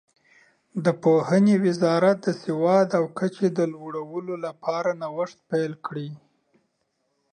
د پوهنې وزارت د سواد د کچې د لوړولو لپاره نوښت پیل کړ.